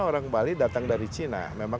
orang bali datang dari cina memang